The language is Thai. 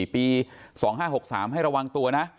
ปี๒๕๖๓ให้ระวังตัวนะ